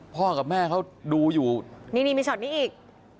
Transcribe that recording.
พ่อกับแม่เขาดูอยู่นี่มีช็อตนี้อีก